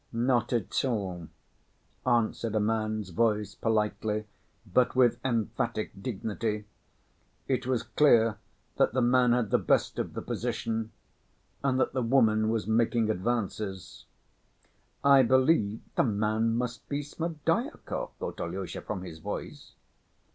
"Not at all," answered a man's voice politely, but with emphatic dignity. It was clear that the man had the best of the position, and that the woman was making advances. "I believe the man must be Smerdyakov," thought Alyosha, "from his voice.